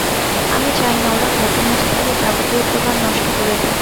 আমি চাই না ওরা ঘটনাস্থলের যাবতীয় প্রমাণ নষ্ট করে দিক।